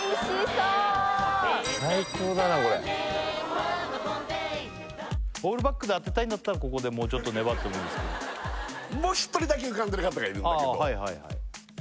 カルビー「ポテトデラックス」ＮＥＷオールバックで当てたいんだったらここでもうちょっと粘ってもいいですけどもう一人だけ浮かんでる方がいるんだけど